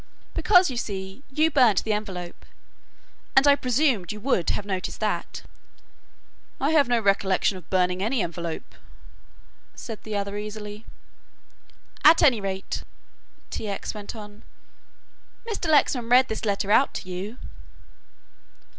"because you see, you burnt the envelope, and I presumed you would have noticed that." "I have no recollection of burning any envelope," said the other easily. "At any rate," T. X. went on, "when Mr. Lexman read this letter out to you..."